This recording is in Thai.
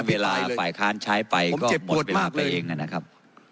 เวลาฝ่ายค้านใช้ไปก็หมดเวลาไปเองนะครับ